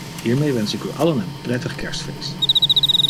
Hiermee wens ik u allen een prettig kerstfeest!